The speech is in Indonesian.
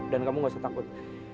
dan kamu gak usah takut